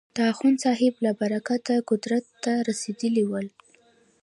د اخوندصاحب له برکته قدرت ته رسېدلي ول.